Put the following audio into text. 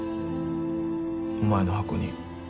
お前の箱に。